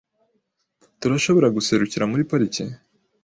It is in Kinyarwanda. Turashobora guserukira muri parike?